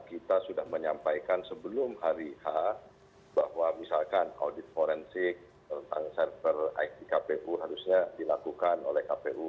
kita sudah menyampaikan sebelum hari h bahwa misalkan audit forensik tentang server it kpu harusnya dilakukan oleh kpu